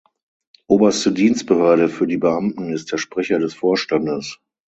Oberste Dienstbehörde für die Beamten ist der Sprecher des Vorstandes.